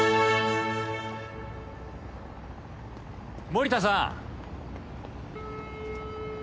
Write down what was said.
森田さん！